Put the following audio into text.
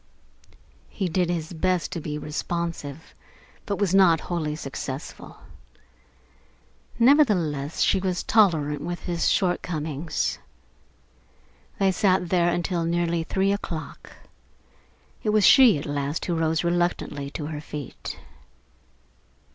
He did his best to be responsive, but he was not wholly successful. Nevertheless, she was tolerant with his shortcomings. They sat there until nearly three o'clock. It was she at last who rose reluctantly to her feet.